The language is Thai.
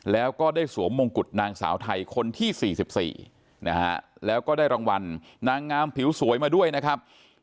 แล้วก็ได้สวมมงกุฎนางสาวไทยคนที่๔๔นะฮะแล้วก็ได้รางวัลนางงามผิวสวยมาด้วยนะครับ